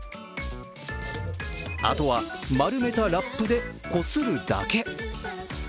あとは丸めたラップでこするだけ。